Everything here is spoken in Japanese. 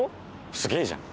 すげえじゃん。